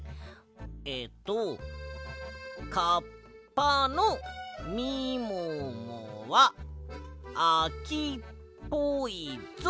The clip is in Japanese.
えっと「カッパのみももはあきっぽいぞ。